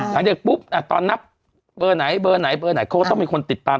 หลังจากปุ๊บตอนนับเบอร์ไหนเบอร์ไหนเบอร์ไหนเขาก็ต้องมีคนติดตาม